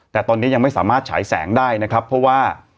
แต่ตอนนี้ยังไม่สามารถฉายแสงได้นะครับเพราะว่า